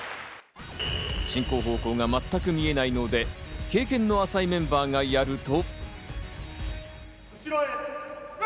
進行方向が全く見えないので、経験の浅いメンバーがやると。